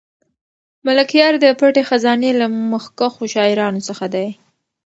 ملکیار د پټې خزانې له مخکښو شاعرانو څخه دی.